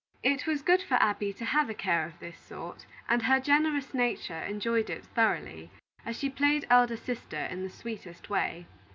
It was good for Abby to have a care of this sort, and her generous nature enjoyed it thoroughly, as she played elder sister in the sweetest way.